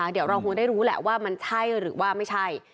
เดี๋ยวเราคงได้รู้แหละว่ามันใช่หรือว่าไม่ใช่